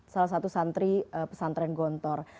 salah satu santri pesantren gontor